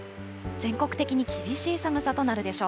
全国的に厳しい寒さとなるでしょう。